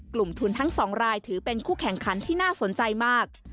กลุ่มทุนทั้ง๒รายถือเป็นคู่แข่งขันที่น่าสนใจมาก